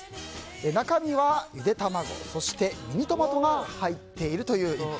中身は、ゆで卵そしてミニトマトが入っているという一品。